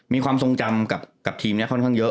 มีความทรงจำกับทีมนี้ค่อนข้างเยอะ